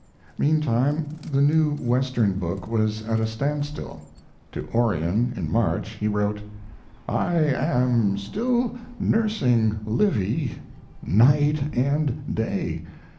Meantime the new Western book was at a standstill. To Orion, in March, he wrote: I am still nursing Livy night and day.